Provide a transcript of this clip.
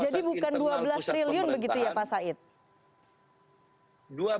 jadi bukan dua belas triliun begitu ya pak said